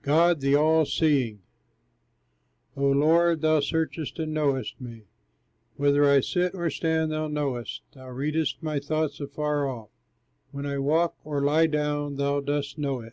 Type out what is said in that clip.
GOD THE ALL SEEING O Lord, thou searchest and knowest me, Whether I sit or stand, thou knowest, Thou readest my thought afar off, When I walk or lie down thou dost know it.